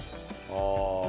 ああ。